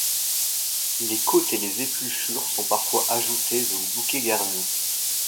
Les côtes et les épluchures sont parfois ajoutées au bouquet garni.